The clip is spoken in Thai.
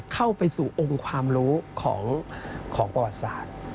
เข้าไปสู่องค์ความรู้ของประวัติศาสตร์